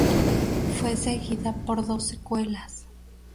Fue seguida por dos secuelas.